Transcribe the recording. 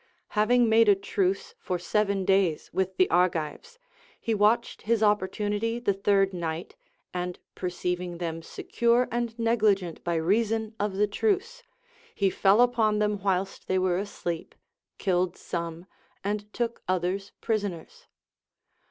Having made a truce for seven days with the 414 LACONIC APOPHTHEGMS. Argives, he watched his opportunity the third night, and perceiving them secure and neghgent by reason of the truce, he fell upon them whilst they Avere asleep, killed some, and took others prisoners.